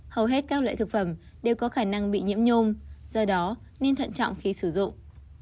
hầu hết các loại thực phẩm đều có khả năng bị nhiễm nhôm do đó nên thận trọng khi sử dụng